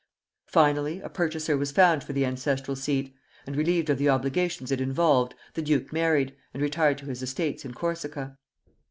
Finally a purchaser was found for the ancestral seat; and relieved of the obligations it involved, the duke married, and retired to his estates in Corsica.